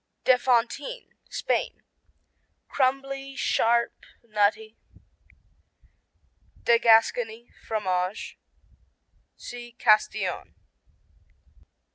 de Fontine Spain Crumbly, sharp, nutty. de Gascony, Fromage see Castillon.